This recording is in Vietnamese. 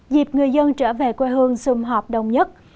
dịp người dân trở về quê hương xung họp đông nhất